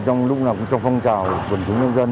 trong lúc nào cũng trong phong trào tuần chứng nhân dân